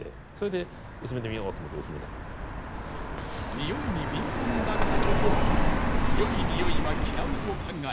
臭いに敏感だからこそ強い臭いは嫌うと考え